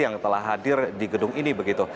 yang telah hadir di gedung ini begitu